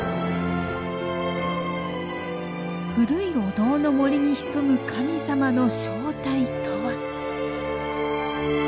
古いお堂の森に潜む神様の正体とは？